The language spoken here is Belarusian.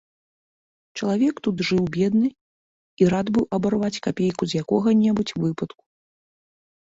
Чалавек тут жыў бедны і рад быў абарваць капейку з якога-небудзь выпадку.